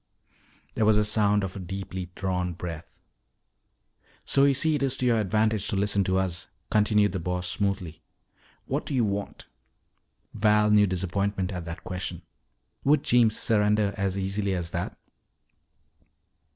There was the sound of a deeply drawn breath. "So you see it is to your advantage to listen to us," continued the Boss smoothly. "What do you want?" Val knew disappointment at that question. Would Jeems surrender as easily as that?